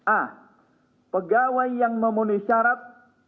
a pegawai yang memenuhi syarat